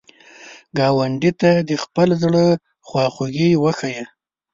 ګاونډي ته د خپل زړه خواخوږي وښایه